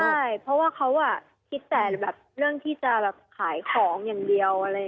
ใช่เพราะว่าเขาคิดแต่แบบเรื่องที่จะแบบขายของอย่างเดียว